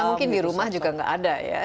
mungkin di rumah juga nggak ada ya